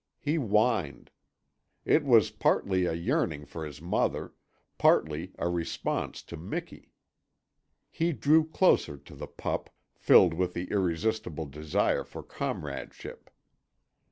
He whined. It was partly a yearning for his mother, partly a response to Miki. He drew closer to the pup, filled with the irresistible desire for comradeship.